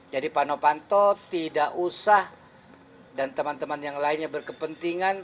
jadi pano panto tidak usah dan teman teman yang lainnya berkepentingan